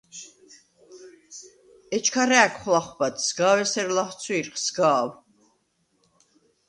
ეჩქა რა̄̈ქვხ ლახვბად: სგავ ესერ ლახცვი̄რხ, სგა̄ვ.